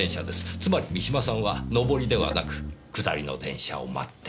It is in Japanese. つまり三島さんは上りではなく下りの電車を待っていた。